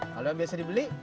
kalau yang biasa dibeli